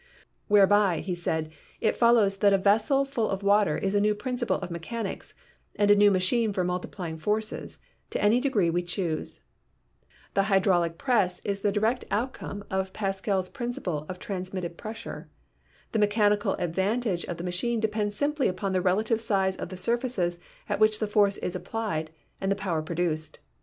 "Whereby," he said, "it follows that a vessel full of water is a new principle of mechanics and a new machine for multiplying forces to any degree we choose." The hydraulic press is the direct outcome of Pascal's THE PROPERTIES OF MATTER 4i principle of transmitted pressure. The mechanical advan tage of this machine depends simply upon the relative size of the surfaces at which the force is applied and the power produced.